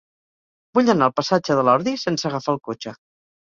Vull anar al passatge de l'Ordi sense agafar el cotxe.